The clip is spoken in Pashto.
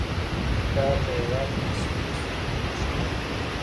دا په هیواد کې د سپینې سرې په نوم شهرت لري.